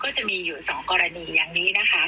ก็จะมีบทบัญญัติที่จำนวนเอาไว้บอกว่าเหตุที่จะออกมาจับได้